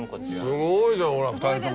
すごいじゃんほら２人とも。